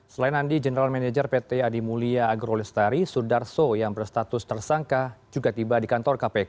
selain andi general manager pt adi mulia agrolestari sudarso yang berstatus tersangka juga tiba di kantor kpk